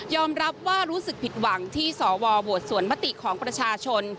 รับว่ารู้สึกผิดหวังที่สวโหวตสวนมติของประชาชน